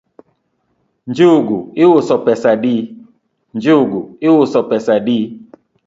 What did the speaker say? Njugu iuso pesa adi?